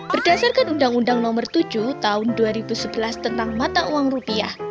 berdasarkan undang undang nomor tujuh tahun dua ribu sebelas tentang mata uang rupiah